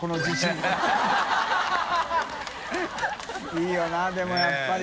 いい茲でもやっぱり。